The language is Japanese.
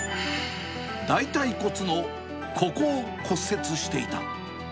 大たい骨のここを骨折していた。